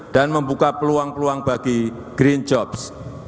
dan membuka peluang peluang bagi green jobs